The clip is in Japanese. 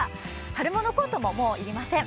春物コートも、もういりません。